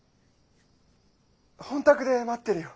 本宅で待ってるよ。